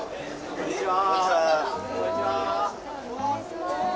こんにちは。